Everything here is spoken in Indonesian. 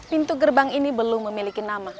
pintu gerbang ini belum memiliki nama